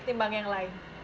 ketimbang yang lain